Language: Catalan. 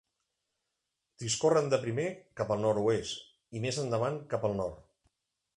Discorren de primer cap al nord-oest i més endavant, cap al nord.